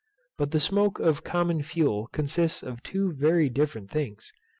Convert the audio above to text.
But the smoke of common fuel consists of two very different things.